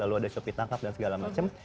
lalu ada shopee tangkap dan segala macam